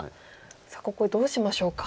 ここどうしましょうか。